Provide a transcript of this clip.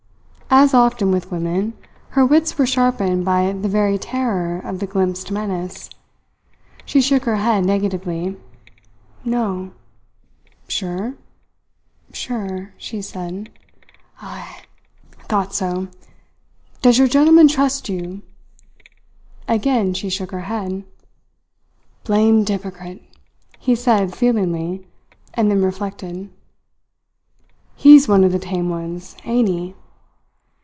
As often with women, her wits were sharpened by the very terror of the glimpsed menace. She shook her head negatively. "No." "Sure?" "Sure," she said. "Ay! Thought so. Does your gentleman trust you?" Again she shook her head. "Blamed 'yporcrit," he said feelingly, and then reflected: "He's one of the tame ones, ain't he?"